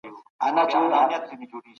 څېړنه یو ریښتونی کار دی.